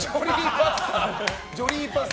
ジョリパス。